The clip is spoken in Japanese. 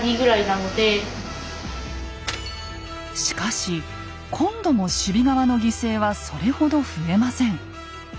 しかし今度も守備側の犠牲はそれほど増えません。